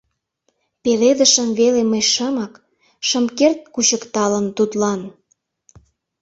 Пеледышым веле мый шымак, Шым керт кучыкталын тудлан…